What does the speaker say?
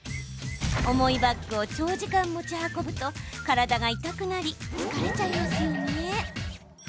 重いバッグを長時間持ち運ぶと体が痛くなり疲れちゃいますよね。